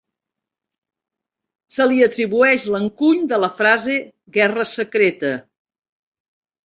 Se li atribueix l'encuny de la frase "guerra secreta".